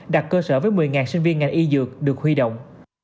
đặt cơ sở với một mươi sinh viên ngành y dược được huy động